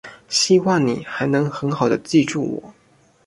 希望你还能很好地记住我。